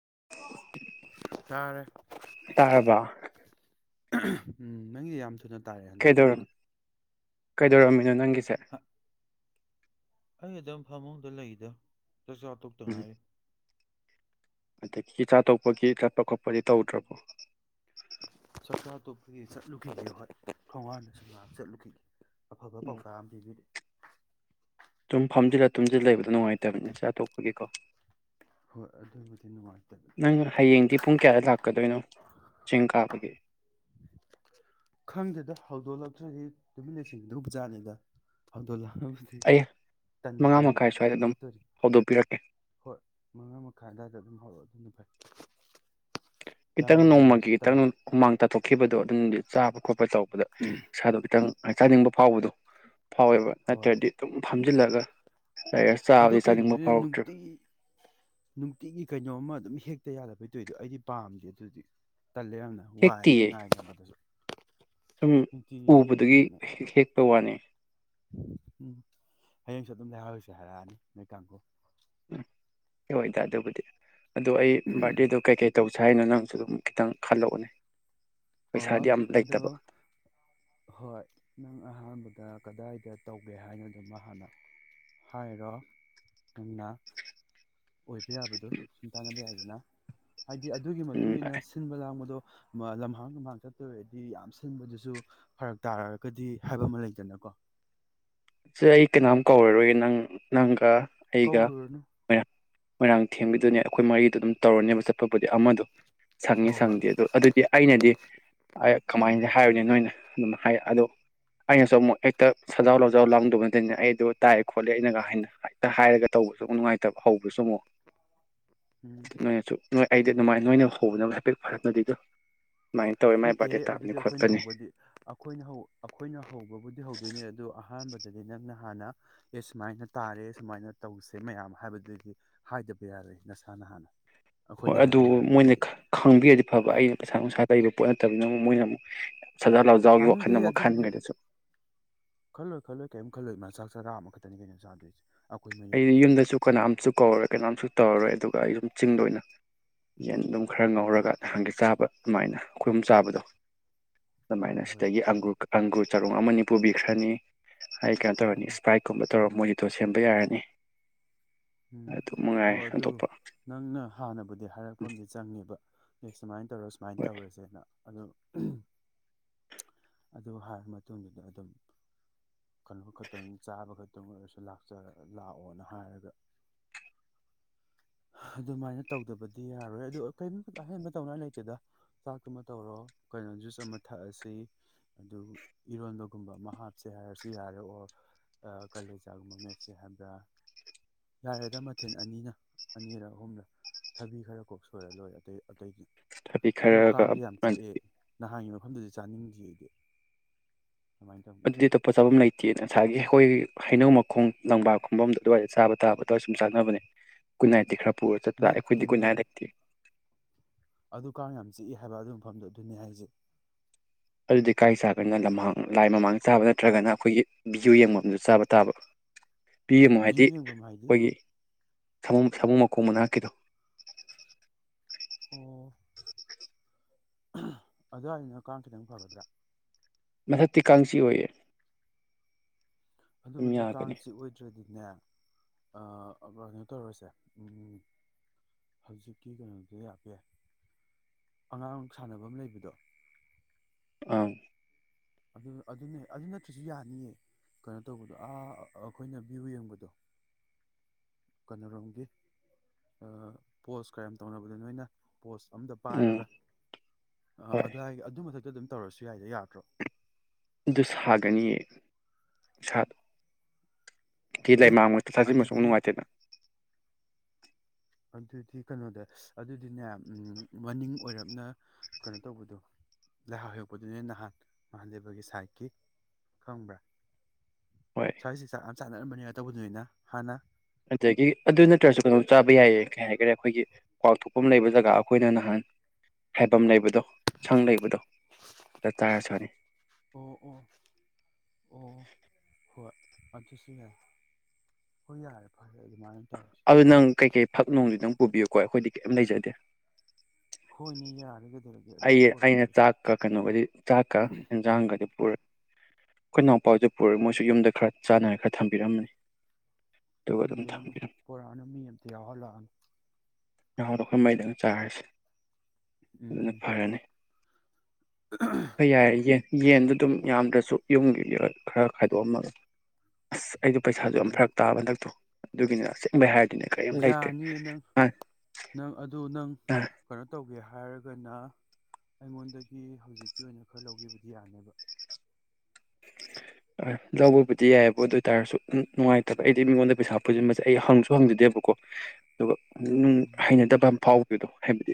[unintelligible] ꯆꯥꯔꯦ ꯇꯥꯔꯕ ꯎ ꯅꯪꯗꯤ ꯌꯥꯝ ꯊꯨꯅ ꯇꯥꯔꯦ ꯀꯩꯗꯧꯔ ꯍꯟꯗꯛꯀꯤꯗꯨꯗꯤ ꯀꯩꯗꯧꯔꯝꯃꯤꯅꯣ ꯅꯪꯒꯤ ꯁꯦ ꯑꯩ ꯑꯗꯨꯝ ꯐꯃꯨꯡꯗ ꯂꯩꯗ [unintelligible] ꯆꯥꯛ ꯆꯥ ꯇꯣꯛꯇ ꯎꯝ ꯉꯥꯏꯔꯤ ꯑꯗꯒꯤ ꯆꯥ ꯇꯣꯛꯄꯒꯤ ꯆꯠꯄ ꯈꯣꯠꯄꯗꯤ ꯇꯧꯗ꯭ꯔꯕꯣ ꯆꯥ ꯇꯣꯛꯄꯒꯤ ꯆꯠꯂꯨꯈꯤꯒꯦ ꯍꯣꯏ ꯊꯣꯡꯒꯥꯟꯗꯁꯨ ꯉꯥꯛ ꯆꯠꯂꯨꯈꯤꯒꯦ ꯑꯐꯕ ꯄꯥꯎꯇꯥꯛ ꯑꯃ ꯄꯤꯕꯤꯔꯦ ꯇꯨꯝ ꯐꯝꯖꯤꯜꯂ ꯇꯨꯝꯁꯤꯜꯂ ꯂꯩꯕꯗꯣ ꯅꯨꯡꯉꯥꯏꯇꯕꯅꯤ ꯆꯥꯇꯣꯛꯄꯒꯤꯀꯣ ꯍꯣꯏ ꯑꯗꯨꯕꯨꯗꯤ ꯅꯨꯡꯉꯥꯏꯇꯕꯅꯤ ꯅꯪ ꯍꯌꯦꯡꯗꯤ ꯄꯨꯡ ꯀꯌꯥꯗ ꯂꯥꯛꯀꯗꯣꯏꯅꯣ ꯆꯤꯡ ꯀꯥꯕꯒꯤ ꯈꯪꯗꯦꯗ ꯍꯧꯗꯣꯂꯛ ꯇ꯭ꯔꯗꯤ ꯇꯨꯃꯤꯟ ꯂꯩꯁꯟꯒꯤꯗꯧꯕ ꯖꯥꯠꯅꯤꯗ ꯍꯧꯗꯣꯂꯥ ꯑꯩ ꯃꯉꯥ ꯃꯈꯥꯏ ꯁ꯭ꯋꯥꯏꯗ ꯗꯨꯝ ꯆꯠꯇꯣꯔꯤ ꯍꯧꯗꯣꯛꯄꯤꯔꯛꯀꯦ ꯃꯈꯥꯢ ꯑꯗꯥꯢꯗ ꯑꯗꯨꯝ ꯍꯧꯔꯛꯑꯣ ꯑꯗꯨꯅ ꯐꯩ ꯌꯥꯝ ꯈꯤꯇꯪ ꯅꯣꯡꯃꯒꯤ ꯉꯟꯃꯜꯂꯁꯨ ꯈꯤꯇꯪ ꯇꯜꯂꯦ ꯍꯨꯃꯥꯡ ꯇꯥꯊꯣꯛꯈꯤꯕꯗꯣ ꯑꯗꯨꯝꯗꯤ ꯆꯥꯕ ꯈꯣꯠꯄ ꯇꯧ ꯄꯨꯂꯞ ꯏꯁꯥꯗꯣ ꯈꯤꯇꯪ ꯑꯥꯏ ꯆꯥꯅꯤꯡꯕ ꯐꯥꯎꯕꯗꯣ ꯐꯥꯎꯋꯦꯕ ꯍꯣꯏ ꯅꯠꯇ꯭ꯔꯗꯤ ꯑꯗꯨꯝ ꯐ ꯐꯝꯖꯤꯜꯂꯒ ꯂꯩꯔ ꯑꯗꯨ ꯆꯥꯕꯗꯤ ꯆꯥꯅꯤꯡꯕ ꯀꯩꯒꯤꯅꯣꯗ ꯐꯥꯎꯔꯛꯇ꯭ꯔꯦ ꯅꯨꯡꯇꯤ ꯅꯨꯡꯇꯤꯒꯤ ꯀꯩꯅꯣꯝꯃ ꯑꯗꯨꯝ ꯍꯦꯛ ꯇ ꯌꯥꯗꯕꯩ ꯇꯧꯏꯗꯣ ꯑꯩꯗꯤ ꯄꯥꯝꯗꯦ ꯑꯗꯨꯗꯤ ꯇꯜꯂꯦ ꯌꯥꯝꯅ ꯋꯥꯏꯑꯦ ꯍꯦꯛꯇꯤꯌꯦ ꯉꯥꯏꯒꯕꯗꯁꯨ ꯁꯨꯝ ꯎꯕꯗꯒꯤ ꯍꯦꯛꯄ ꯋꯥꯅꯦ ꯎꯝ ꯍꯌꯦꯡꯁꯨ ꯑꯗꯨꯝ ꯂꯩꯍꯧꯔꯁꯦ ꯍꯥꯏꯔꯛꯑꯅꯤ ꯅꯣꯏ ꯀꯥꯡꯕꯨ ꯎꯝ ꯍꯣꯏꯗ ꯑꯗꯨꯕꯨꯗꯤ ꯑꯗꯣ ꯑꯩ ꯕꯥꯔꯗꯦꯗꯣ ꯀꯩꯀꯩ ꯇꯧꯖꯦ ꯁꯥꯏꯅ ꯅꯪꯁꯨ ꯑꯗꯨꯝ ꯈꯤꯇꯪ ꯈꯜꯂꯛꯑꯣꯅꯦ ꯑꯣ ꯑꯗꯨ ꯍꯣꯏ ꯅꯪ ꯑꯍꯥꯟꯕꯒꯤ ꯀꯗꯥꯏꯗ ꯇꯧꯒꯦ ꯍꯥꯏꯅꯣꯗꯨꯃ ꯍꯥꯟꯅ ꯍꯥꯏꯔꯣ ꯅꯪꯅ ꯑꯣꯏꯕ ꯌꯥꯕꯗꯨ ꯁꯨꯝ ꯇꯥꯟꯅꯕ ꯌꯥꯏꯗꯅ ꯍꯥꯏꯗꯤ ꯑꯗꯨꯒꯤ ꯎꯝ ꯃꯇꯨꯡ ꯏꯟꯅ ꯁꯤꯟꯕ ꯂꯥꯡꯕꯗꯣ ꯃ ꯂꯝꯍ ꯑꯥ ꯃꯃꯥꯡ ꯆꯠꯇꯣꯏ ꯑꯣꯏꯔꯗꯤ ꯌꯥꯝ ꯁꯤꯟꯕꯗꯨꯁꯨ ꯐꯔꯛ ꯇꯥꯔꯒꯗꯤ ꯍꯥꯏꯕ ꯑꯃ ꯂꯩꯗꯅꯀꯣ ꯁꯦ ꯑꯩ ꯀꯅꯥꯝ ꯀꯧꯔꯔꯣꯏꯒꯦ ꯅꯪ ꯅꯪꯒ ꯑꯩꯒ ꯀꯧꯔꯨꯔꯅꯨ ꯃꯌꯥꯝ ꯃꯣꯏꯔꯥꯡ ꯊꯦꯡꯕꯤꯗꯨꯅꯦ ꯑꯩꯈꯣꯏ ꯃꯔꯤꯗꯣ ꯑꯗꯨꯝ ꯇꯧꯔꯅꯦꯕ ꯆꯠꯄꯕꯨꯗꯤ ꯑꯃꯗꯣ ꯁꯪꯉꯤ ꯍꯣꯏ ꯍꯣꯏ ꯁꯪꯗꯦ ꯑꯗꯨ ꯑꯗꯨꯗꯤ ꯑꯩꯅꯗꯤ ꯀꯃꯥꯏꯅ ꯍꯥꯏꯕꯅꯤ ꯅꯣꯏꯅ ꯑꯗꯨꯝ ꯍꯥꯏ ꯑꯗꯣ ꯑꯩꯅꯁꯨ ꯑꯃꯨꯛ ꯍꯦꯛꯇ ꯁꯖꯥꯎ ꯍꯖꯥꯎ ꯂꯥꯡꯗꯧꯕ ꯅꯠꯇꯦꯅꯦ ꯑꯩꯗꯣ ꯇꯥꯏꯑꯦ ꯈꯣꯠꯂꯦ ꯑꯩꯅꯒ ꯍꯦꯛꯇ ꯍꯥꯏꯔꯒ ꯇꯧꯕꯁꯨ ꯅꯨꯡꯉꯥꯏꯇꯕ ꯍꯧꯕꯁꯨ ꯑꯃꯨꯛ ꯎꯝ ꯅꯣꯏꯅꯁꯨ ꯅꯣꯏ ꯑꯩꯗꯤ ꯑꯗꯨꯃꯥꯏ ꯅꯣꯏꯅ ꯍꯧꯕꯗ ꯍꯥꯏꯐꯦꯠ ꯐꯔꯛꯄꯗꯤꯗꯨ ꯅꯠꯇꯦꯍꯦ ꯑꯗꯨꯗꯤ ꯑꯩꯈꯣꯏꯅ ꯍꯧꯕꯗꯤ ꯑꯈꯣꯏꯅ ꯑꯈꯣꯏꯅ ꯍꯧꯕꯕꯨꯗꯤ ꯍꯧꯗꯣꯏꯅꯦ ꯑꯗꯣ ꯑꯍꯥꯟꯕꯗ ꯑꯗꯨꯗꯒꯤ ꯅꯪꯅ ꯍꯥꯟꯅ ꯑꯦ ꯁꯨꯃꯥꯏꯅ ꯇꯥꯔꯦ ꯁꯨꯃꯥꯏꯅ ꯇꯧꯁꯦ ꯃꯌꯥꯝ ꯍꯥꯏꯕꯗꯨꯗꯤ ꯍꯥꯏꯗꯕ ꯌꯥꯔꯣꯏ ꯅꯁꯥꯅ ꯍꯥꯟꯅ ꯍꯣꯏ ꯑꯩꯈꯣꯏꯅ ꯑꯗꯨ ꯍꯥꯏꯕ ꯌꯥꯔꯣꯏ ꯃꯣꯏꯅ ꯈꯪꯕꯤꯔꯗꯤ ꯐꯕ ꯑꯩꯅ ꯄꯩꯁꯥ ꯅꯨꯡꯁꯥ ꯂꯩꯕ ꯄꯣꯠ ꯅꯠꯇꯕꯤꯅꯤꯅ ꯑꯃꯨꯛ ꯃꯣꯏꯅ ꯑꯃꯨꯛ ꯁꯖꯥꯔ ꯂꯥꯎꯖꯥꯎꯒꯤ ꯋꯥꯈꯜꯗ ꯇꯥꯅꯤꯡꯗꯦꯍꯦ ꯑꯃꯨ ꯑꯗꯨꯕꯨꯗꯤ ꯈꯟꯈꯗꯁꯨ ꯀꯩꯝꯈꯂꯣꯏ ꯃ ꯆꯥꯛ ꯆꯥꯔ ꯑꯃꯈꯛꯇꯅꯤ ꯀꯩꯅꯣ ꯆꯥꯗꯣꯏꯁꯦ ꯑꯩꯈꯣꯏ ꯑꯩꯗꯤ ꯃꯔꯤꯈꯛꯄꯨ ꯌꯨꯝꯗꯁꯨ ꯀꯅꯥꯝꯁꯨ ꯀꯧꯔꯣꯏ ꯀꯅꯥꯝꯁꯨ ꯇꯧꯔꯣꯏ ꯑꯗꯨ ꯑꯩ ꯁꯨꯝ ꯆꯤꯡꯗ ꯑꯣꯏꯅ ꯌꯦꯟ ꯑꯗꯨꯝ ꯈꯔ ꯎꯝ ꯉꯧꯔꯒ ꯅꯍꯥꯟꯒꯤ ꯆꯥꯕ ꯑꯗꯨꯃꯥꯏꯅ ꯈꯣꯏꯍꯨꯝ ꯆꯥꯕꯗꯣ ꯍꯣꯏ ꯑꯗꯨꯃꯥꯏꯅ ꯍꯣꯏ ꯁꯤꯗꯒꯤ ꯑꯪꯒ꯭ꯔꯨ ꯑꯪꯒ꯭ꯔꯨ ꯆꯔꯣꯡ ꯑꯃꯅꯤ ꯄꯨꯕꯤꯈ꯭ꯔꯅꯤ ꯍꯥꯏ ꯀꯥꯏ ꯇꯧꯅꯤ ꯎꯝ ꯏꯁ ꯄꯥꯏ ꯀꯨꯝ ꯇꯧꯔ ꯃꯣꯏꯒꯤꯗꯣ ꯁꯦꯝꯕ ꯌꯥꯔꯦ ꯎ ꯎꯝ ꯍꯣ ꯑꯗꯨ ꯅꯪꯅ ꯍꯥꯟꯅꯕꯨꯗꯤ ꯍꯥꯏꯔꯛꯄ ꯑꯃꯗꯤ ꯆꯪꯉꯦꯕ ꯑꯦ ꯁꯨꯃꯥꯏꯅ ꯇꯧꯔ ꯁꯨꯃꯥꯏꯅ ꯍꯣꯏ ꯇꯧꯔꯁꯦꯅ ꯑꯗꯣ ꯑꯗꯨ ꯍꯥꯏꯔ ꯃꯇꯨꯡꯗꯨꯗ ꯑꯗꯨꯝ ꯀꯩꯅꯣ ꯈꯛꯇꯪ ꯆꯥꯕ ꯈꯛꯇꯪ ꯑꯣꯏꯔꯁꯨ ꯂꯥꯛꯆ ꯂꯥꯛꯑꯣꯅ ꯍꯥꯏꯔꯒ ꯑꯗꯨꯃꯥꯏꯅ ꯇꯧꯗꯕꯗꯤ ꯌꯥꯔꯣꯏ ꯑꯗꯨ ꯀꯔꯤ ꯑꯍꯦꯟꯕ ꯇꯧꯅ ꯂꯩꯇꯦꯗ ꯆꯥꯛꯇꯨꯃ ꯇꯧꯔꯣ ꯀꯩꯅꯣ ꯖꯨꯁ ꯑꯃ ꯊꯛꯑꯁꯤ ꯑꯗꯨ ꯏꯔꯣꯟꯕꯒꯨꯝꯕ ꯑꯃ ꯍꯥꯞꯁꯦ ꯍꯥꯏꯔꯁꯨ ꯌꯥꯔꯦ ꯑꯣꯔ ꯀꯥꯂꯦꯖꯥꯒꯨꯝꯕ ꯃꯦꯠꯁꯦ ꯍꯥꯏꯕ꯭ꯔꯥ ꯌꯥꯔꯦꯗ ꯃꯊꯦꯜ ꯑꯅꯤꯅ ꯑꯅꯤꯔꯛ ꯑꯍꯨꯝꯂꯛ ꯊꯕꯤ ꯈꯔ ꯀꯣꯛ ꯁꯣꯏꯔ ꯂꯣꯏꯔꯦ ꯑꯇꯩ ꯑꯇꯩꯗꯤ ꯊꯕꯤ ꯈꯔꯒ ꯗꯨꯗꯤ ꯆꯥꯅꯤꯡꯗ꯭ꯔꯤ ꯑꯩꯗꯤ ꯑꯗꯨꯃꯥꯏꯅ ꯇꯧꯅ ꯑꯗꯨꯗꯤ ꯑꯇꯣꯞꯄ ꯆꯥꯐꯝ ꯂꯩꯇꯦꯌꯦ ꯊꯥꯊꯥꯒꯤ ꯑꯈꯣꯏꯒꯤ ꯍꯩꯅꯧ ꯃꯈꯣꯡ ꯂꯪꯕꯥ ꯈꯣꯡꯝꯕꯝꯗ ꯑꯗꯨꯋꯥꯏꯗ ꯆꯥꯕ ꯇꯥꯕ ꯑꯗꯨꯋꯥꯏ ꯁꯨꯝ ꯆꯥꯅꯕꯅꯦ ꯒꯨꯅꯥꯢꯠꯗꯤ ꯈꯔ ꯄꯨꯔ ꯆꯠꯄ ꯑꯈꯣꯏꯗꯤ ꯅꯠꯇꯦꯃꯦ ꯒꯨꯠꯅꯥꯏꯠ ꯂꯩꯇꯦ ꯑꯗꯨ ꯀꯥꯡ ꯌꯥꯝ ꯆꯤꯛꯏ ꯍꯥꯏꯕ ꯑꯗꯨ ꯃꯐꯝꯗꯣ ꯑꯗꯨꯅꯤ ꯍꯥꯏꯁꯦ ꯑꯗꯨꯗꯤ ꯀꯥꯏ ꯆꯥꯕꯅꯤꯅ ꯂꯝꯍꯥꯡ ꯂꯥꯏ ꯃꯃꯥꯡ ꯆꯥꯕ ꯅꯠꯇ꯭ꯔꯒꯅ ꯑꯈꯣꯏꯒꯤ ꯚꯤꯌꯨ ꯌꯦꯡꯕꯝ ꯗꯨ ꯆꯥꯕ ꯇꯥꯕ ꯄꯤꯃꯨ ꯍꯥꯏꯗꯤ ꯚ꯭ꯌꯨ ꯌꯦꯡꯐꯝ ꯍꯥꯏꯗꯤ ꯑꯈꯣꯏꯒꯤ ꯁꯥꯃꯨ ꯃꯈꯣꯡ ꯃꯅꯥꯛꯀꯤꯗꯣ ꯑꯣ ꯑꯗ꯭ꯋꯥꯏꯅ ꯀꯥꯡ ꯈꯤꯇꯪ ꯐꯒꯗ꯭ꯔꯥ ꯃꯊꯛꯇꯤ ꯀꯥꯡ ꯆꯤꯛꯑꯣꯏꯌꯦ ꯑꯗꯨ ꯃꯊꯛ ꯀꯥꯡꯁꯤ ꯑꯣꯏꯗ꯭ꯔꯗꯤꯅꯦ ꯑꯥꯑꯥ ꯀꯩꯅꯣ ꯇꯧꯔꯁꯦ ꯑꯃ ꯍꯧꯖꯤꯛꯀꯤ ꯀꯩꯅꯣꯗ ꯌꯥꯀꯦ ꯑꯉꯥꯡ ꯁꯥꯟꯅꯐꯝ ꯂꯩꯕꯗꯣ ꯑꯪ ꯑꯗꯨ ꯑꯗꯨꯅꯦ ꯑꯗꯨ ꯅꯠꯇ꯭ꯁꯨ ꯌꯥꯅꯤꯌꯦ ꯀꯩꯅꯣ ꯇꯧꯕꯗꯣ ꯑꯥ ꯑꯩꯈꯣꯏꯅ ꯚ꯭ꯌꯨ ꯌꯦꯡꯕꯗꯣ ꯀꯩꯅꯔꯣꯝꯒꯤ ꯄꯣꯁ ꯀꯌꯥꯝ ꯇꯧꯅꯕꯗꯣ ꯅꯣꯏꯅ ꯄꯣꯁ ꯑꯝꯗ ꯎꯝ ꯄꯥꯏꯔꯒ ꯍꯣꯏ ꯑꯗꯨꯏꯒꯤ ꯑꯗꯨ ꯃꯊꯛꯇ ꯑꯗꯨꯝ ꯇꯧꯔꯁꯨ ꯌꯥꯏꯗ ꯌꯥꯗ꯭ꯔꯣ ꯗꯨꯁ ꯁꯥꯒꯅꯤꯌꯦ ꯁꯥꯠ ꯊꯤ ꯑꯦ ꯂꯩꯃꯥꯡ ꯃꯊꯛ ꯊꯥꯖꯤꯟꯕꯁꯨ ꯑꯗꯨꯗꯤ ꯅꯨꯡꯉꯥꯏꯇꯦꯅ ꯑꯗꯨꯗꯤ ꯀꯩꯅꯣꯗ ꯑꯗꯨꯗꯤꯅꯦ ꯃꯅꯤꯡ ꯑꯣꯏꯔꯞꯅ ꯀꯩꯅꯣ ꯇꯧꯕꯗꯣ ꯂꯥꯏꯍꯥꯎ ꯍꯔꯣꯛꯄꯗꯨꯅꯦ ꯅꯍꯥꯟ ꯅꯍꯥꯟꯗꯦꯕꯒꯤ ꯁꯥꯏꯠꯀꯤ ꯈꯪꯕ꯭ꯔꯥ ꯍꯣꯏ ꯁꯥꯏꯁꯤ ꯆ ꯆꯥꯟꯅꯔꯝꯕꯅꯤꯅ ꯇꯧꯕꯗꯨꯅꯤꯅ ꯍꯥꯟꯅ ꯑꯗꯩꯒꯤ ꯑꯗꯨ ꯅꯠꯇ꯭ꯔꯁꯨ ꯀꯩꯅꯣꯝ ꯆꯥꯕ ꯌꯥꯏꯌꯦ ꯀꯩ ꯍꯥꯏꯈꯔꯦ ꯑꯩꯈꯣꯏꯒꯤ ꯀ꯭ꯋꯥꯛꯊꯣꯛꯐꯝ ꯂꯩꯕ ꯖꯒꯥ ꯑꯩꯈꯣꯏꯅ ꯅꯍꯥꯟ ꯍꯥꯏꯐꯝ ꯂꯩꯕꯗꯣ ꯁꯪ ꯂꯩꯕꯗꯣ ꯑꯗꯨꯗ ꯆꯥꯔꯁꯨ ꯌꯥꯅꯤ ꯑꯣ ꯑꯣ ꯑꯣ ꯍꯣꯏ ꯑꯗꯨꯁꯨ ꯌꯥꯏ ꯍꯣꯏ ꯌꯥꯔꯦ ꯐꯔꯦ ꯑꯗꯨꯃꯥꯏꯅ ꯇꯧꯔꯁꯤ ꯑꯗꯨ ꯅꯪ ꯀꯩꯀꯩ ꯐꯛ ꯅꯨꯡꯗꯨ ꯗꯪ ꯄꯨꯕꯤꯌꯨꯀꯣ ꯑꯩꯈꯣꯏꯗꯤ ꯀꯩꯝ ꯂꯩꯖꯗꯦ ꯃꯤ ꯌꯥꯔꯒ ꯑꯩ ꯑꯩꯅ ꯇꯥꯛꯀ ꯀꯩꯅꯣꯒꯗꯤ ꯆꯥꯛꯀ ꯌꯦꯟꯖꯥꯡꯒꯗꯤ ꯄꯨꯏ ꯑꯩꯈꯣꯏꯅꯥꯎꯄꯥꯎꯗꯨ ꯄꯨꯏ ꯃꯣꯏꯁꯨ ꯌꯨꯝꯗ ꯈꯔ ꯆꯥꯟꯅꯔ ꯈꯔ ꯊꯝꯕꯤꯔꯝꯃꯅꯤ ꯑꯗꯨꯒ ꯑꯗꯨꯝ ꯊꯝꯕꯤꯔꯝꯃꯣ ꯊꯝꯕꯤꯔꯝꯃꯦ ꯄꯣꯔꯛꯑꯅꯨ ꯃꯤ ꯑꯇ ꯌꯥꯎꯍꯜꯂꯛꯑꯅꯨ ꯌꯥꯍꯧꯗ ꯑꯩꯈꯣꯏ ꯃꯩꯗꯪ ꯆꯥꯔꯤꯁꯦ ꯑꯗꯨꯅ ꯎꯝ ꯐꯔꯅꯤ ꯍꯩ ꯌꯥꯏꯌꯦ ꯏꯁꯦꯟ ꯌꯦꯟꯗꯨꯣ ꯑꯗꯨꯝ ꯌꯥꯝꯗ꯭ꯔꯁꯨ ꯌꯨꯝꯒꯤ ꯈꯔ ꯈꯥꯏꯗꯣꯛꯑꯝꯃꯒ ꯑꯁ ꯑꯩꯗꯣ ꯄꯩꯁꯥꯗꯣ ꯌꯥꯝ ꯎꯝ ꯐꯔꯛ ꯇꯥꯕ ꯍꯟꯗꯛꯇꯣ ꯑꯗꯨꯒꯤꯗ ꯁꯦ ꯌꯥꯅꯤꯌꯦ ꯅꯪ ꯅꯪ ꯑꯗꯨ ꯅꯪ ꯀꯩꯅꯣ ꯇꯧꯒꯦ ꯍꯥꯏ ꯍꯥꯏꯔꯒꯅ ꯑꯩꯉꯣꯟꯗꯒꯤ ꯍꯧꯖꯤꯛꯀꯤ ꯑꯣꯏꯅ ꯈꯔ ꯂꯧꯈꯤꯕꯗꯤ ꯌꯥꯅꯦꯕ ꯂꯧꯕꯕꯨꯗꯤ ꯌꯥꯏꯑꯕ ꯑꯗꯨ ꯑꯣꯏ ꯇꯔꯁꯨ ꯅꯨꯡꯉꯥꯏꯇꯕ ꯑꯩꯗꯤ ꯃꯤꯉꯣꯟꯗ ꯄꯩꯁꯥ ꯄꯨꯁꯤꯟꯕꯁꯦ ꯑꯩ ꯍꯪꯁꯨ ꯍꯪꯖꯗꯦꯕꯀꯣ ꯑꯗꯨꯒ ꯅꯨꯡ ꯎꯝ ꯍꯩꯅꯗꯕ ꯑꯃ ꯐꯥꯎꯕ ꯗꯨꯗꯣ ꯍꯥꯏꯕꯗꯤ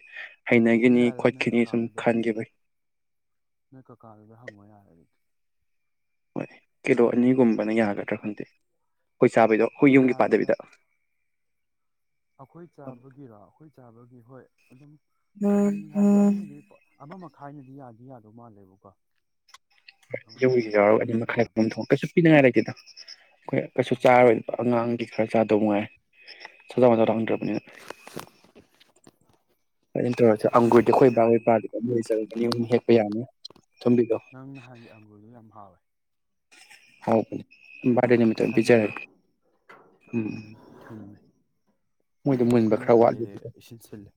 ꯍꯣꯏ ꯍꯩꯅꯈꯤꯅꯤ ꯌꯥꯔꯦ ꯅꯣꯏ ꯈꯣꯠꯈꯤꯅꯤ ꯁꯨꯝ ꯀꯀꯥꯗꯨꯗ ꯈꯟꯈꯤꯕ ꯅꯣꯏ ꯀꯀꯥꯗꯨꯗ ꯍꯪꯉꯣ ꯌꯥꯔꯦ ꯑꯗꯨꯗꯤ ꯍꯣꯏ ꯀꯤꯂꯣ ꯑꯅꯤꯒꯨꯝꯕꯅ ꯌꯥꯒꯗ꯭ꯔꯥ ꯈꯪꯗꯦ ꯑꯩꯈꯣꯏ ꯆꯥꯕꯩꯗꯣ ꯑꯩꯈꯣꯏ ꯌꯨꯝꯒꯤ ꯄꯥꯗꯕꯤꯗ ꯑꯈꯣꯏ ꯆꯥꯕꯒꯤꯔꯣ ꯑꯩꯈꯣꯏ ꯆꯥꯕꯒꯤ ꯍꯣꯏ ꯑꯗꯨꯝ ꯎꯝ ꯑꯅꯤ ꯍꯥꯏꯗꯨ ꯑꯅꯤ ꯎꯝ ꯑꯃꯃ ꯃꯈꯥ ꯊꯥꯏꯅꯗꯤ ꯌꯥꯗꯤ ꯌꯥꯗꯣꯏ ꯃꯥꯜꯂꯦꯕꯀꯣ ꯑꯃ ꯌꯧꯒꯤ ꯌꯥꯎꯔꯒ ꯑꯗꯨꯅꯤ ꯃꯈꯥꯏꯃꯨꯛꯅꯗꯤ ꯃꯈꯥꯏ ꯌꯥꯗꯧ ꯊꯣꯡ ꯃꯥꯜꯂꯦ ꯀꯩꯁꯨ ꯄꯤꯅꯤꯡꯉꯥꯏ ꯂꯩꯇꯦꯗ ꯑꯩꯈꯣꯏ ꯀꯩꯁꯨ ꯎꯝ ꯆꯥꯔꯣꯏꯗꯕ ꯑꯉꯥꯡꯒꯤ ꯈꯔ ꯆꯥꯗꯧꯉꯥꯏ ꯆꯖ ꯃꯖꯥꯎꯟꯗꯔꯅꯤ ꯎꯝ [unintelligible] ꯑꯗꯨꯃꯥꯏꯅ ꯇꯧꯔꯁꯦ ꯍꯣꯏ ꯑꯪꯒꯨꯔꯗꯤ ꯑꯩꯈꯣꯏ ꯑꯗꯨ ꯕꯥ ꯃꯣꯏꯗ ꯌꯥꯅꯤꯗ ꯄꯜꯂꯦꯕ ꯃꯣꯏ ꯆꯪꯉꯥ ꯑꯅꯤ ꯑꯍꯨꯝ ꯍꯦꯛꯄ ꯌꯥꯅꯤ ꯊꯨꯝꯕꯤꯗꯣ ꯅꯪ ꯅꯍꯟꯒꯤ ꯑꯪꯒꯨꯔꯗꯣ ꯌꯥꯝ ꯍꯥꯎꯋꯦ꯫ ꯍꯥꯎꯕꯅꯦ ꯕꯔꯥꯗꯦ ꯅꯨꯃꯤꯠꯇ ꯑꯣꯏꯅ ꯑꯁꯪꯕꯗꯣ ꯄꯤꯖꯥꯔꯦꯒꯦ ꯎꯝ꯫ ꯃꯣꯏꯗ ꯃꯨꯟꯕ ꯑꯩꯈꯣꯏ ꯈꯔ ꯅꯍꯥꯟ ꯋꯥꯠꯂꯤꯀꯣ ꯂꯩꯔꯦ ꯏꯁꯤꯟ ꯁꯤꯜꯂꯦ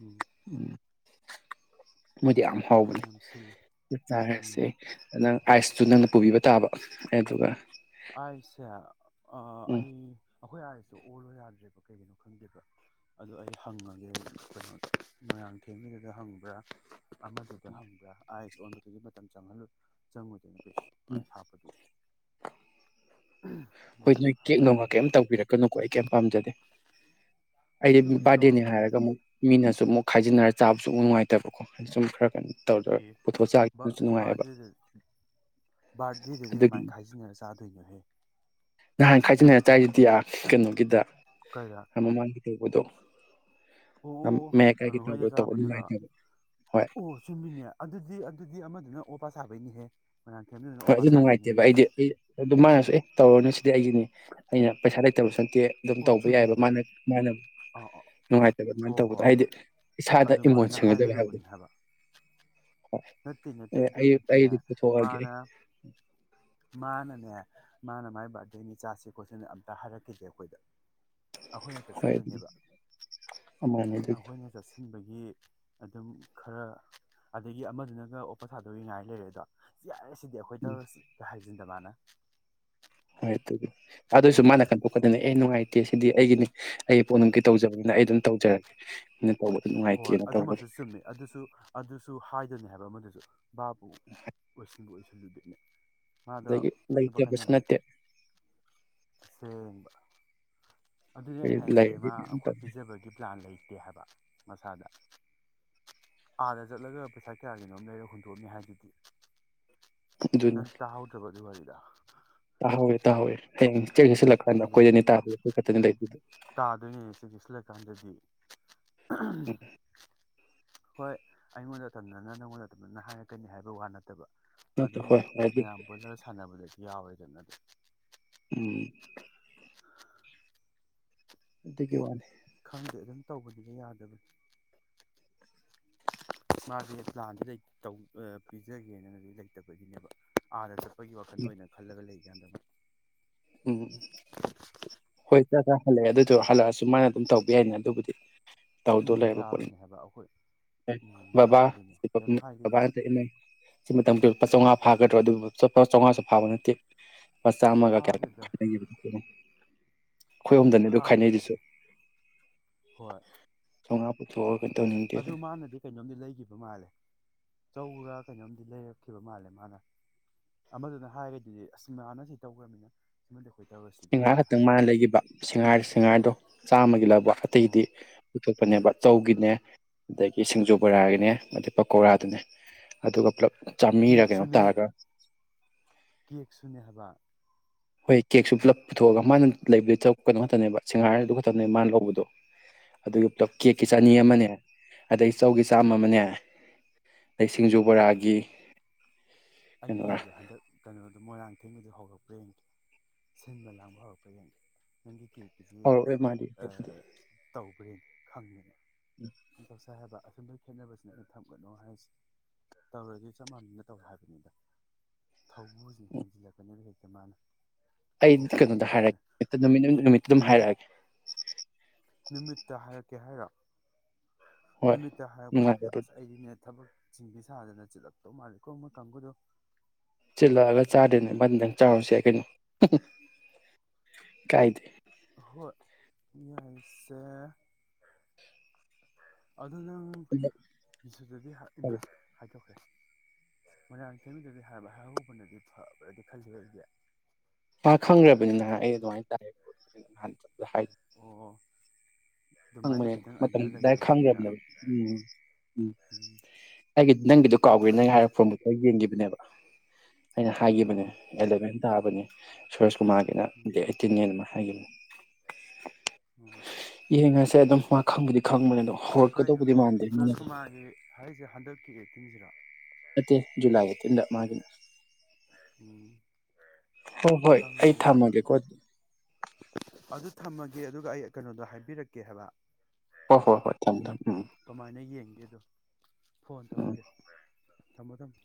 ꯎꯝ ꯎꯝ꯫ ꯃꯣꯏꯗꯤ ꯍꯥꯎꯕꯅꯤ ꯌꯥꯝ ꯁꯤꯜꯂꯦ ꯆꯥꯔꯁꯦ ꯎꯝ ꯅꯪ꯫ ꯑꯥꯏꯁꯇꯨ ꯅꯪꯅ ꯄꯨꯕꯤꯕ ꯇꯥꯕ ꯑꯗꯨꯒ ꯑꯥꯏꯁꯦ ꯑꯥ ꯎꯝ ꯑꯩ꯫ ꯑꯩꯈꯣꯏ ꯑꯥꯏꯁꯇꯨ ꯑꯣꯜꯂꯣ ꯌꯥꯗ꯭ꯔꯦꯕ ꯀꯩꯒꯤꯅꯣ ꯈꯪꯗꯦꯕ ꯑꯗꯨꯗꯣ ꯑꯩ ꯍꯪꯉꯒꯦ ꯃꯣꯏꯔꯥꯡꯊꯦꯝꯒꯤꯗꯨꯗ ꯍꯪꯕ꯭ꯔꯥ ꯑꯃꯗꯨꯗ ꯍꯪꯕ꯭ꯔꯥ ꯑꯥꯏꯁ ꯑꯣꯟꯕꯗꯨꯗꯤ ꯃꯇꯝ ꯆꯪꯍꯜꯂꯨ ꯆꯪꯉꯨꯗꯣꯏꯅꯦ ꯎꯝ ꯍꯥꯞꯄꯗꯨ ꯍꯣꯏ ꯅꯣꯏ ꯀꯦꯛ ꯅꯨꯡꯒ ꯍꯪꯉꯒꯦ ꯀꯦꯝ ꯇꯧꯕꯤꯔꯛꯀꯅꯨꯀꯣ ꯑꯩ ꯀꯩ ꯄꯥꯝꯖꯗꯦ꯫ ꯑꯩꯗꯤ ꯑꯗꯨꯕꯨꯗꯤ ꯕꯥꯔꯗꯦꯅꯦ ꯇꯧꯔꯛꯀꯅꯤ ꯍꯥꯏꯔꯒ ꯑꯃꯨꯛ ꯃꯤꯅꯁꯨ ꯑꯃꯨꯛ ꯈꯥꯏꯖꯤꯟꯅ꯫ ꯆꯥꯕꯁꯨ ꯅꯨꯡꯉꯥꯏꯇꯕꯀꯣ ꯁꯨꯝ ꯈꯔ ꯀꯩ꯫ ꯑꯦ ꯕꯥꯔꯗꯦꯗ ꯕꯥꯔꯗꯦꯗꯗꯤ ꯑꯗꯨꯒꯤ ꯀꯃꯥꯏ ꯈꯥꯏꯖꯤꯟꯅꯔ ꯆꯥꯗꯣꯏꯅꯣꯍꯦ ꯅꯍꯥꯟ ꯈꯥꯏꯖꯤꯟꯅ ꯆꯥꯏꯗꯨꯗꯤ ꯑꯥ ꯀꯩꯅꯣꯒꯤꯗ ꯀꯔ ꯑꯃꯥꯡꯒꯤ ꯎꯗꯣ ꯑꯣ ꯀꯩꯅꯣ ꯍꯣꯏꯗ ꯆꯥꯕꯗꯨꯔ ꯅꯨꯡꯉꯥꯏꯇꯦꯕ ꯍꯣꯏ ꯑꯣ ꯆꯨꯝꯃꯤꯅꯦ ꯑꯗꯨꯗꯤ ꯑꯗꯨꯗꯤ ꯑꯃ ꯅꯪ ꯑꯣꯕꯥ ꯁꯥꯕꯩꯅꯤꯍꯦ꯫ ꯃꯣꯏꯔꯥꯡꯊꯦꯝꯗꯨꯅ ꯍꯣꯏ ꯑꯣꯄꯥ ꯑꯗꯨ ꯁꯥꯕꯩꯅꯦ ꯅꯨꯡꯉꯥꯏꯇꯦꯕ ꯑꯩꯗꯤ ꯑꯩ ꯑꯗꯨ ꯃꯅꯁꯨ ꯑꯦ ꯇꯧꯔꯅꯨ ꯑꯩꯒꯤꯅꯤ ꯑꯩꯅ ꯄꯩꯁꯥ ꯂꯩꯇꯕꯁꯨ꯫ ꯇꯦ ꯑꯗꯨꯝ ꯑꯣ ꯇꯧꯕ ꯌꯥꯏꯑꯕ ꯆꯨꯝꯃꯤꯅꯦ ꯃꯥꯅ ꯃꯥꯅ ꯑꯥ ꯑꯥ ꯅꯨꯡꯉꯥꯏꯇꯕ ꯑꯗꯨꯃꯥꯏꯅ ꯍꯣꯏ ꯇꯧꯕꯗꯣ ꯍꯣꯏ ꯍꯥꯏꯗꯤ ꯏꯁꯥꯗ ꯏꯃꯣꯟ ꯑꯗꯨꯃꯥꯏꯅ ꯁꯦꯡꯅꯗꯕ ꯍꯥꯏꯕꯗꯣ꯫ ꯍꯥꯏꯒꯗꯧꯕꯅꯤ ꯍꯥꯏꯕ ꯅꯠꯇꯦ ꯅꯠꯇꯦ ꯑꯩ ꯑꯩ ꯑꯗꯨꯕꯨꯗꯤꯅꯦ ꯗꯤꯄꯨꯊꯣꯛꯑꯒꯦ ꯃꯥꯅ ꯃꯥꯅꯅꯦ꯫ ꯃꯥꯅ ꯃꯥꯏ ꯕꯥꯔꯗꯦꯅꯦ ꯆꯥꯁꯦ ꯈꯣꯠꯁꯤꯅ ꯑꯃꯇ ꯍꯥꯏꯔꯛꯈꯤꯗꯦ ꯑꯩꯈꯣꯏꯗ꯫ ꯑꯩꯈꯣꯏꯅ ꯍꯣꯏ ꯆꯠꯁꯤꯟꯕꯅꯦꯕ ꯑꯗꯨꯃꯥꯏꯅ ꯑꯗꯨꯒꯤ ꯑꯩꯈꯣꯏꯅ ꯆꯠꯁꯤꯟꯕꯒꯤ꯫ ꯑꯗꯨꯝ ꯈꯔ ꯑꯗꯒꯤ꯫ ꯑꯃꯗꯨꯅꯒ ꯑꯣꯄ ꯁꯥꯗꯔꯤ ꯉꯥꯏ ꯂꯩꯔꯦꯗ ꯁꯤꯗꯤ ꯑꯩꯈꯣꯏ ꯇꯧꯔꯁꯤ ꯍꯥꯏꯖꯤꯟꯗ ꯃꯥꯅ ꯍꯣꯏ ꯑꯗꯨꯗꯤ ꯑꯗꯨꯁꯨ ꯃꯥꯅ ꯀꯟꯗꯣꯛꯀꯗꯅꯦ ꯑꯦ ꯅꯨꯡꯉꯥꯏꯇꯦ ꯁꯤꯗꯤ ꯑꯩꯒꯤꯅꯤ ꯑꯩ ꯄꯣꯅꯤꯡꯅꯨꯡꯒꯤ ꯇꯧꯖꯕꯅꯤꯅ ꯑꯩ ꯑꯗꯨꯝ ꯇꯧꯖꯔꯒꯦ ꯇꯧꯕꯗ ꯍꯣꯏ ꯅꯨꯡꯉꯥꯏꯇꯦꯅ ꯇꯧꯕꯒꯤ ꯑꯗꯨꯃꯁꯨ ꯆꯨꯝꯃꯦ ꯑꯗꯨꯁꯨ ꯑꯗꯨꯁꯨ ꯑꯗꯨꯅꯤ ꯍꯥꯏꯕ ꯑꯃꯗꯨꯁꯨ ꯕꯥꯕꯕꯨ ꯑꯣꯏꯁꯨꯝꯕꯁ ꯂꯗꯅ ꯃꯥꯗ ꯑꯗꯒꯤ ꯂꯩꯇꯕꯁꯨ ꯅꯨꯄꯥꯈꯥꯏꯅꯕꯤ ꯅꯠꯇꯦ ꯑꯁꯦꯡꯕ ꯑꯗꯨꯗꯤ ꯑꯩ ꯑꯩꯈꯣꯏ ꯍꯥꯏꯁꯦ ꯂꯩꯔꯗꯤ ꯏꯃꯥ ꯑꯗꯨꯝ ꯑꯩꯈꯣꯏ ꯇꯧ ꯄꯤꯖꯕꯒꯤ ꯄ꯭ꯂꯥꯟ ꯂꯩꯇꯦ ꯍꯥꯏꯕ ꯃꯁꯥꯗ ꯑꯥꯗ ꯆꯠꯂꯒ ꯄꯩꯁꯥ ꯀꯌꯥꯒꯤꯅꯣꯝ ꯂꯩꯔꯒ ꯍꯨꯟꯇꯣꯛꯑꯅꯤ ꯍꯥꯏꯗꯨꯗꯤ ꯑꯗꯨꯅ ꯅꯪ ꯇꯥꯍꯧꯗ꯭ꯔꯕ ꯑꯗꯨꯋꯥꯗꯤ ꯕ ꯍꯝ ꯆꯦꯛ ꯍꯁꯤꯜꯂꯀꯥꯟꯗ ꯑꯗꯨꯅꯤ ꯑꯩꯈꯣꯏꯗꯅꯤ ꯇꯥꯕꯗ ꯑꯩꯈꯣꯏ ꯈꯛꯇꯅꯤ ꯂꯩꯗꯗ ꯇꯥꯗꯣꯏꯅꯦ ꯎ ꯍꯣꯏ ꯑꯩꯉꯣꯟꯗ ꯑꯇꯝꯅꯅ ꯅꯪꯉꯣꯟꯗ ꯑꯝꯅ ꯍꯥꯏꯔꯛꯀꯅꯤ ꯍꯥꯏꯕ ꯋꯥ ꯅꯠꯇꯕ ꯅꯠꯇ꯭ꯔ ꯑꯗꯨꯝ ꯍꯣꯏ ꯍꯣꯏ ꯍꯥꯏꯗꯤ ꯃꯌꯥꯝ ꯄꯨꯜꯂꯒ ꯁꯥꯟꯅꯕꯗꯗꯒꯤ ꯌꯥ ꯑꯣꯏꯗꯤ ꯎꯝ ꯇ ꯀ ꯋꯥꯅꯤ ꯈꯪꯗꯦ ꯑꯗꯨꯝ ꯇꯧꯕꯗꯨꯗ ꯌꯥꯗꯕꯅꯤ ꯃꯥꯁꯦ ꯄ꯭ꯂꯥꯟꯁꯦ ꯄꯤꯖꯒꯦꯅꯗꯤ ꯂꯩꯇꯕꯒꯤꯅꯦꯕ ꯑꯥꯗ ꯆꯠ ꯑꯩꯈꯣꯏꯒꯤ ꯋꯥꯈꯟꯗ ꯑꯣꯏꯅ ꯈꯜꯂꯒ ꯂꯩ ꯎꯝ ꯍꯣꯏ ꯆ ꯆ ꯍꯜꯂꯛꯑꯦ ꯑꯗꯨꯗꯣ ꯍꯜꯂꯛꯑꯁꯨ ꯃꯥꯅ ꯑꯗꯨꯝ ꯇꯧꯕ ꯌꯥꯏꯅꯦ ꯑꯗꯨꯕꯨꯗꯤ ꯇꯧꯗꯣ ꯎꯝ ꯂꯩꯕ ꯌꯥꯕꯅꯦ ꯍꯥꯏꯕ ꯑꯩꯈꯣꯏ ꯎꯝ ꯄꯣꯠꯕꯕꯥꯕꯕꯥ ꯑꯗꯨꯅꯦ ꯁꯤ ꯀꯩꯝ ꯍꯥꯏꯈꯤꯗꯦ ꯂꯨꯄꯥ ꯆꯥꯝꯉꯥ ꯐꯥꯗ꯭ꯔꯥ ꯑꯗꯨꯕꯨ ꯂꯨꯄꯥ ꯆꯥꯝꯃꯉꯥꯁꯨ ꯐꯥꯕ ꯅꯠꯇꯦ ꯐꯁ ꯆꯥꯃꯒ ꯀꯌꯥ ꯐꯥꯗꯦꯗ ꯣ ꯑꯩꯈꯣꯏ ꯑꯣꯝꯗꯅꯦ ꯑꯗꯨ ꯐꯥꯕ ꯈꯥꯏꯅꯩꯗꯨꯁꯨ ꯅꯠꯇꯦ ꯍꯣꯏ ꯁꯣꯉꯥ ꯄꯨꯊꯣ ꯑꯗꯨ ꯃꯥꯅꯗꯤ ꯀꯩꯅꯣꯝꯗꯤ ꯂꯩꯒꯤꯈꯤꯕ ꯃꯥꯜꯂꯦ ꯆꯧꯔ ꯀꯩꯅꯣꯝꯗꯤ ꯂꯩꯔꯛꯈꯤꯕ ꯃꯥꯜꯂꯦ ꯃꯥꯅ ꯑꯃꯗꯨꯅ ꯍꯥꯏꯔꯦꯗꯨꯗꯤ ꯑꯁ ꯃꯥꯅ ꯁꯤ ꯇꯧꯈ꯭ꯔꯅꯤꯅ ꯁꯦꯡꯒꯥꯥꯏ ꯈꯛꯇꯪ ꯃꯥꯅ ꯂꯩꯈꯤꯕ ꯁꯦꯡꯒꯥꯏ ꯁꯦꯡꯉꯥꯏꯗꯣ ꯆꯥꯝꯃꯒꯤ ꯂꯧ ꯑꯇꯩꯗꯤ ꯑꯣ ꯄꯨꯊꯣꯛꯄꯅꯦꯕ ꯑꯣ ꯆꯧꯒꯤꯅꯦ ꯑ ꯁꯤꯡꯖꯨ ꯕꯣꯔꯥꯒꯤꯅꯦ ꯑꯗꯩ ꯄꯀꯧꯔꯥꯗꯨꯅꯦ ꯑꯗꯨꯒ ꯄꯨꯂꯞ ꯆꯥꯝꯃꯔ ꯀꯩꯅꯣ ꯇꯥꯔꯒ ꯀꯦꯛ ꯁꯨꯅꯦ ꯍꯥꯏꯕ ꯍꯣꯏ ꯀꯦꯛꯁꯨ ꯄꯨꯂꯞ ꯄꯨꯊꯣꯛꯑꯒ ꯃꯥꯅ ꯂꯩꯕ ꯀꯩꯅꯣ ꯈꯛꯇꯅꯦꯕ ꯁꯦꯡꯉꯥꯏꯔꯗꯨ ꯈꯛꯇꯅꯦ ꯃꯥꯅ ꯂꯧꯕꯗꯣ ꯑꯗꯨꯒꯤ ꯄꯨꯂꯞ ꯀꯦꯛꯀꯤ ꯑꯠꯆꯥ ꯆꯅꯤ ꯑꯃꯅꯦ ꯑꯗꯩ ꯆꯧꯒꯤ ꯆꯥꯝꯃ ꯑꯃꯅꯦ ꯑꯗꯩ ꯁꯤꯡꯖꯨ ꯕꯣꯔꯥꯒꯤ ꯑꯩ ꯀꯩꯅꯣꯔꯥ ꯌꯦꯡꯒꯦ ꯍꯟꯗꯛ ꯀꯩꯅꯣꯗꯣ ꯃꯣꯏꯔꯥꯡ ꯑꯊꯤꯡꯕꯗꯨ ꯍꯧꯔꯛꯄ꯭ꯔꯥ ꯌꯦꯡꯗꯦ ꯁꯤꯟꯕ ꯂꯥꯡꯕ ꯍꯧꯔꯛꯄ꯭ꯔꯥ ꯌꯦꯡꯗꯦ ꯅꯪꯒꯤ ꯀꯦꯛ ꯑꯗꯨꯗꯤ ꯍꯧꯔꯛꯑꯣꯏ ꯃꯥꯗꯤ ꯇꯧꯈ꯭ꯔꯦ ꯈꯪꯉꯦ [unintelligible] ꯈꯦꯠꯅꯕꯁꯤꯅ ꯑꯩ ꯊꯝꯒꯅꯨ ꯍꯥꯏꯁꯤ ꯇꯧꯔꯗꯤ ꯆꯞ ꯃꯥꯟꯅꯅ ꯇꯧꯋꯦ ꯍꯥꯏꯕꯅꯤꯗ ꯊꯧꯕꯨꯁꯤꯅ ꯍꯦꯟꯖꯤꯜꯂꯛꯄꯅꯦꯕ ꯍꯦꯛꯇꯤ [unintelligible] ꯑꯩ ꯀꯩꯅꯣꯗ ꯍꯥꯏꯔꯛꯒꯦ ꯅꯨꯃꯤꯠꯇꯨ ꯑꯗꯨꯝ ꯍꯥꯏꯔꯛꯑꯒꯦ ꯅꯨꯃꯤꯠꯇ ꯍꯥꯏꯔꯛꯀꯦ ꯍꯥꯏꯔ ꯍꯣꯏ ꯅꯨꯃꯤꯠꯇ ꯍꯥꯏꯔꯛꯄꯗꯨꯗꯤ ꯅꯨꯡꯉꯥꯏꯕꯗꯣ ꯑꯁ ꯑꯩꯒꯤꯅꯦ ꯊꯕꯛ ꯁꯥꯗꯅ ꯆꯤꯜꯂꯛꯇꯧ ꯃꯥꯜꯂꯦ ꯀꯣꯡꯕ ꯀꯥꯡꯕꯨꯗꯣ ꯆꯤꯜꯂꯛꯑꯒ ꯆꯥꯗꯦꯅꯦ ꯕꯟꯗꯪ ꯆꯥꯔꯨꯁ ꯌꯥꯏ ꯀꯩꯅꯣ ꯀꯥꯏꯗꯦ ꯍꯣꯏ ꯌꯦꯡꯁꯤ ꯑꯗꯨ ꯅꯪꯗꯗꯤ ꯏꯃ ꯍꯥꯏꯗꯣꯛꯈ꯭ꯔꯦꯁꯤ ꯀꯔꯤꯃꯤꯗꯗꯤ ꯍꯥꯏꯔꯍꯧꯕꯅꯗꯤ ꯐꯕ꯭ꯔꯗꯤ ꯈꯜꯂ ꯑꯩꯗꯤꯦ ꯃꯥ ꯈꯪꯈ꯭ꯔꯕꯅꯤꯅꯍꯥꯟ ꯑꯩ ꯑꯗꯨꯃꯥꯏꯅ ꯇꯥꯏꯅꯤꯅ ꯅꯍꯥꯟ ꯍꯥꯏ ꯑꯣ ꯑꯗꯨꯃꯥꯏꯅ ꯍꯪꯕꯅꯦ ꯈꯤꯇꯪ ꯃꯇꯝ ꯑꯥꯏꯗꯤꯌꯥ ꯗꯥꯏꯔꯦꯛ ꯂꯩꯔꯕꯨꯗꯤ ꯌꯥ ꯈꯪꯈ꯭ꯔꯕꯅꯦꯕ ꯎꯝ ꯎꯝ ꯑꯩꯒꯤ ꯅꯪꯒꯤꯗꯨ ꯀꯥꯎꯋꯦꯅ ꯅꯪ ꯍꯥꯏꯔꯛꯐꯝꯕꯨꯛꯇ ꯌꯦꯡꯈꯤꯕꯅꯦꯕ ꯑꯩꯅ ꯍꯥꯏꯈꯤꯕꯅꯦ ꯎꯝ ꯑꯦꯂꯚꯦꯟ ꯇꯥꯕꯅꯤ ꯀꯨꯃꯥꯒꯤꯅ ꯗꯦꯠ ꯑꯩꯠꯇꯤꯟꯅꯅ ꯑꯃ ꯍꯥꯏꯈꯤꯕꯅꯤ [inaudible] ꯎꯝ [inaudible] ꯌꯦꯡꯑꯁꯤ ꯁꯦ ꯑꯗꯨꯝ ꯃꯥ ꯈꯪꯕꯗꯤ ꯈꯪꯕꯅꯦ ꯑꯗꯣ ꯍꯧꯔꯛꯀꯗꯧꯕꯗꯤ ꯃꯥꯟꯗꯦ ꯃꯥꯅꯗꯤ [inaudible] [inaudible] ꯅꯠꯇꯦ ꯖꯨꯂꯥꯏ ꯑꯩꯇꯤꯟꯗ ꯃꯥꯒꯤꯅ ꯎꯝ ꯍꯣ ꯍꯣꯏ ꯑꯩ ꯈꯪꯗꯦ ꯑꯗꯨ ꯊꯝꯃꯒꯦꯀꯣ ꯑꯗꯨ ꯊꯝꯃꯒꯦ ꯑꯗꯨꯒ ꯑꯩ ꯀꯩꯅꯣꯗꯣ ꯍꯥꯏꯕꯤꯔꯛꯀꯦ ꯍꯥꯏꯕ ꯍꯣ ꯍꯣ ꯍꯣꯏ ꯊꯝ ꯊꯝ ꯎꯝ ꯀꯃꯥꯏꯅ ꯌꯦꯡꯒꯦꯗꯣ ꯐꯣꯟ ꯇ ꯎꯝ ꯑꯣꯀꯦ ꯊꯝꯃꯣ ꯊꯝꯃ